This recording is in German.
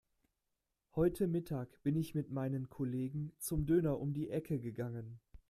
Heute Mittag bin ich mit meinen Kollegen zum Döner um die Ecke gegangen.